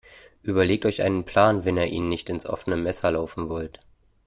Überlegt euch einen Plan, wenn ihr ihnen nicht ins offene Messer laufen wollt.